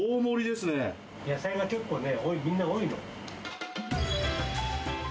野菜が結構ね、多い、みんな多いの。